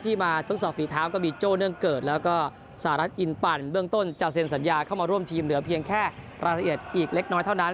มาทดสอบฝีเท้าก็มีโจ้เนื่องเกิดแล้วก็สหรัฐอินปั่นเบื้องต้นจะเซ็นสัญญาเข้ามาร่วมทีมเหลือเพียงแค่รายละเอียดอีกเล็กน้อยเท่านั้น